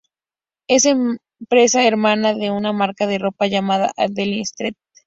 Es empresa hermana de una marca de ropa llamada Adeline Street.